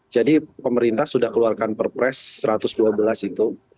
jadi pemerintah sudah keluarkan perpres satu ratus dua belas itu